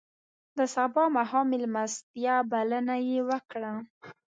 د سبا ماښام میلمستیا بلنه یې وکړه.